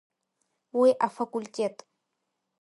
Уи афакультет…